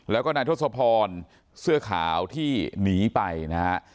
แล้วก็นายทศพรเสื้อขาวที่หนีไปนะฮะ